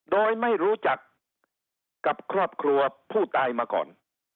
โดยไม่รู้จักกับครอบครัวผู้ตายมาก่อน